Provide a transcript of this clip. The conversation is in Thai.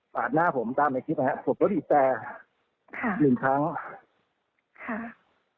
ปาดหน้าผมตามในคลิปนะฮะผมรถหยิบแปลค่ะหนึ่งครั้งค่ะ